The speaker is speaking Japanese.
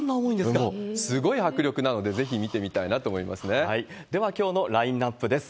もうすごい迫力なので、ぜひでは、きょうのラインナップです。